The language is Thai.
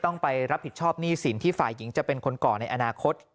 ต้องไปรับผิดชอบหนี้สินที่ฝ่ายหญิงจะเป็นคนก่อในอนาคต